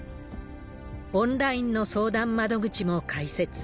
オンラインの相談窓口も開設。